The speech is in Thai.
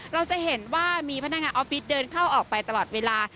เราจะเห็นว่ามีพนักงานออฟฟิศเดินเข้าออกไปตลอดเวลา